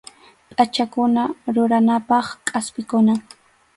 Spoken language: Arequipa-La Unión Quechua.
Pʼachakuna ruranapaq kʼaspikunam.